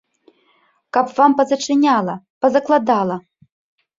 Каб вам пазачыняла, пазакладала!